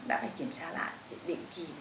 đã phải kiểm tra lại định kỳ